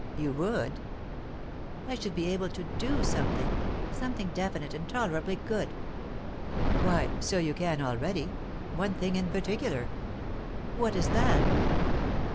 "You would?" "I should be able to do something something definite and tolerably good." "Why, so you can already; one thing in particular." "What is that?"